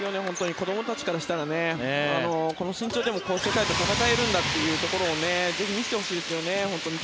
子供たちからしたらこの身長でも世界と戦えるところをぜひ見せてほしいですよね。